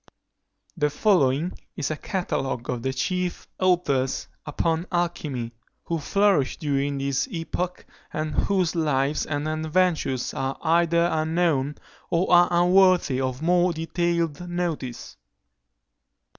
The following is a catalogue of the chief authors upon alchymy, who flourished during this epoch, and whose lives and adventures are either unknown or are unworthy of more detailed notice.